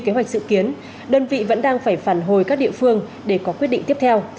kế hoạch dự kiến đơn vị vẫn đang phải phản hồi các địa phương để có quyết định tiếp theo